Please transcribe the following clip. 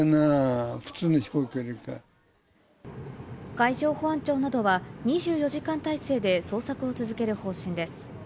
海上保安庁などは２４時間態勢で捜索を続ける方針です。